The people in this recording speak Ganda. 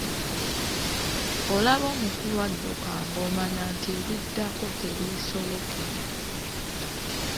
Olaba omukulu adduka ng'omanya nti ebiddako tebisoboke.